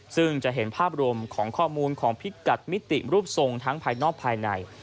ซึ่งจะเห็นภาพรวมของข้อมูลของพิกัดมิติรูปทรงทั้งภายนอกภายใน